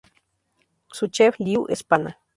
Su "chef-lieu" es Pana.